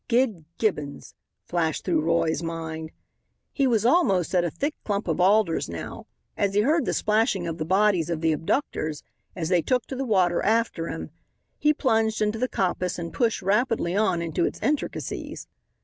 "Gid Gibbons," flashed through Roy's mind. He was almost at a thick clump of alders now. As he heard the splashing of the bodies of the abductors, as they took to the water after him, he plunged into the coppice and pushed rapidly on into its intricacies.